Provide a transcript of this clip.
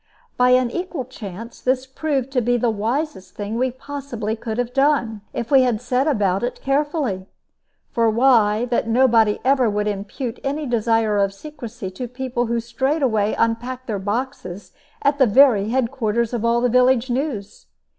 By an equal chance this proved to be the wisest thing we could possibly have done, if we had set about it carefully. For why, that nobody ever would impute any desire of secrecy to people who straightway unpacked their boxes at the very head quarters of all the village news.